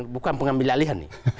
bukan pengambil lalihan nih